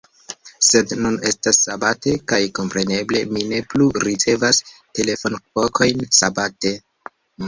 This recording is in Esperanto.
Sed nun estas Sabate, kaj kompreneble mi ne plu ricevas telefonvokojn Sabate.